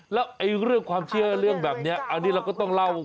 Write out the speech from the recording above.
แล้วเรื่องความเชื่อเรื่องแบบนี้อันนี้เราก็ต้องเล่า